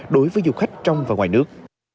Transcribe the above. đối với du khách trong và ngoài nước